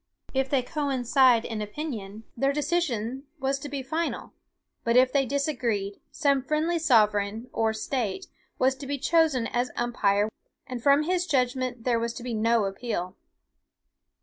If they coincided in opinion, their decision was to be final; but if they disagreed, some friendly sovereign, or state, was to be chosen as umpire, and from his judgment there was to be no appeal.